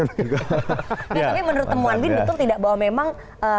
tapi menurut temuan bin betul tidak bahwa memang